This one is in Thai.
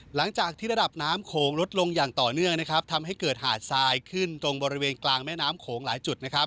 หลังจากที่ระดับน้ำโขงลดลงอย่างต่อเนื่องนะครับทำให้เกิดหาดทรายขึ้นตรงบริเวณกลางแม่น้ำโขงหลายจุดนะครับ